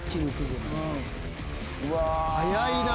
うわ速いなぁ。